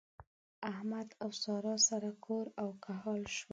احمد او سارا سره کور او کهول شول.